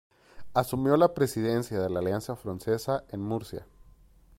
Asumió la presidencia de la Alianza Francesa en Murcia.